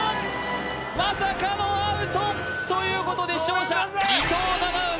まさかのアウト！ということで勝者伊藤七海